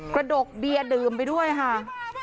กระดกเบียร์ดื่มไปด้วยค่ะ